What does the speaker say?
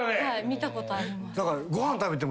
見たことあります。